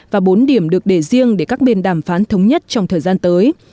và bốn điểm được để riêng để các bên đàm phán thống nhất trong thời gian tới